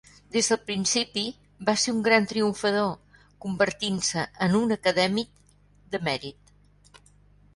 Des del principi, va ser un gran triomfador, convertint-se en un acadèmic de mèrit.